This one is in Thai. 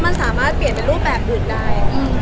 มันสามารถเปลี่ยนเป็นรูปแบบอื่นได้